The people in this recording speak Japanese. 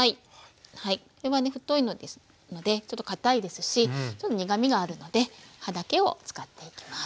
これはね太いのでちょっとかたいですしちょっと苦みがあるので葉だけを使っていきます。